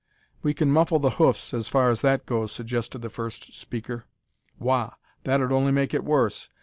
"We kin muffle the hoofs, as far as that goes," suggested the first speaker. "Wagh! That ud only make it worse.